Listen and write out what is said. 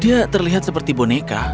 dia terlihat seperti boneka